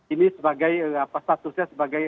ini sebagai statusnya sebagai